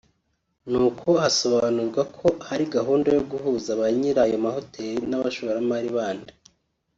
nuko hasobanurwa ko hari gahunda yo guhuza ba nyiri aya mahoteli n’abashoramari bandi